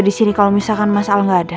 di sini kalau misalkan masalah nggak ada